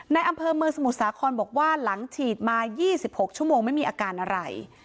ในอำเภอเมืองสมุทรสาครบอกว่าหลังฉีดมา๒๖ชั่วโมงไม่มีอาการอะไร